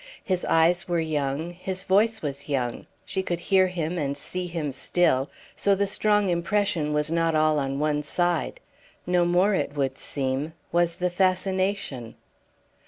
His eyes were young; his voice was young; she could hear him and see him still, so the strong impression was not all on one side. No more, it would seem, was the fascination.